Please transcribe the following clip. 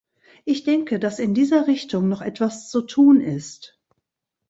Ich denke, dass in dieser Richtung noch etwas zu tun ist.